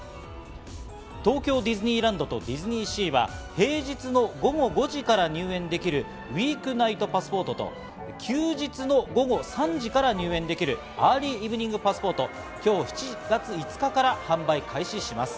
東京ディズニーランドとディズニーシーは平日の午後５時から入園できるウィークナイトパスポートと休日の午後３時から入園できるアーリーイブニングパスポートを今日、７月５日から販売開始します。